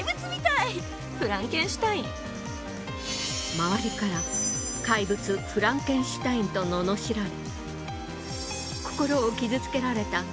周りから怪物フランケンシュタインと罵られ。